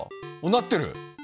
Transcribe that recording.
なってる！